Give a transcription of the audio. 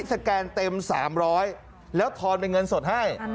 สแกนเต็ม๓๐๐แล้วทอนเป็นเงินสดให้